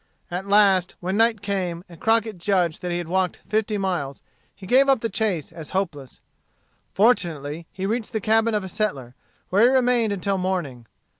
At last, when night came, and Crockett judged that he had walked fifty miles, he gave up the chase as hopeless. Fortunately he reached the cabin of a settler, where he remained until morning.